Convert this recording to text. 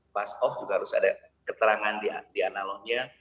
bus off juga harus ada keterangan di analognya